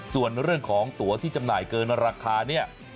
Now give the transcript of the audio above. ส่วนเรื่องของตัวที่จำหน่ายเกินราคาเนี่ย